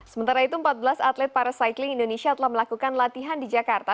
sementara itu empat belas atlet para cycling indonesia telah melakukan latihan di jakarta